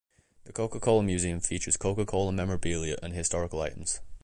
The Coca-Cola Museum features Coca-Cola memorabilia and historical items.